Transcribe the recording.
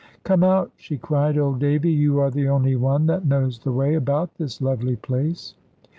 "Come out," she cried, "old Davy; you are the only one that knows the way about this lovely place."